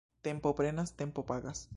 Tempo prenas, tempo pagas.